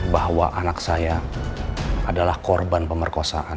bahwa anak saya adalah korban pemerkosaan